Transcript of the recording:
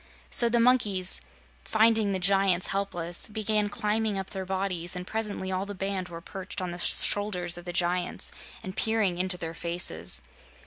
So the monkeys, finding the giants helpless, began climbing up their bodies, and presently all the band were perched on the shoulders of the giants and peering into their faces.